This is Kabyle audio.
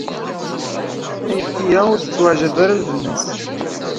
Ayefki-a ur tettweɛjab ara lbenna-s.